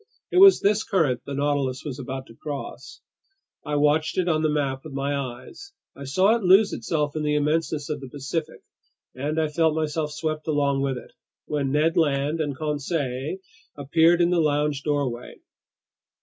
It was this current the Nautilus was about to cross. I watched it on the map with my eyes, I saw it lose itself in the immenseness of the Pacific, and I felt myself swept along with it, when Ned Land and Conseil appeared in the lounge doorway.